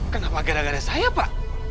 kenapa gara gara saya pak